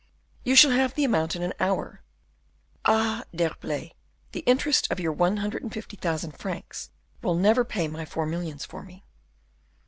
"You shall have the amount in an hour. Ah, D'Herblay, the interest of your one hundred and fifty thousand francs will never pay my four millions for me."